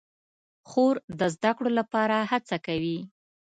خور د زده کړو لپاره هڅه کوي.